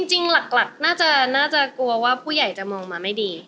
จริงหลักน่าจะกลัวว่าผู้ใหญ่จะมองมาไม่ดี